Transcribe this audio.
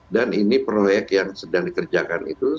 dan ini proyek yang sedang dikerjakan itu